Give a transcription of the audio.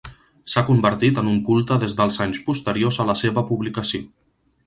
S'ha convertit en un culte des dels anys posteriors a la seva publicació.